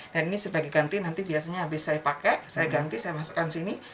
dan ini sebagai ganti nanti biasanya habis saya pakai saya ganti saya masukkan sini